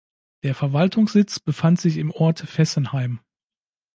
Der Verwaltungssitz befand sich im Ort Fessenheim.